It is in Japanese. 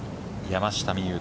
山下美夢